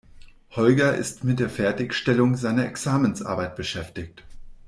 Holger ist mit der Fertigstellung seiner Examensarbeit beschäftigt.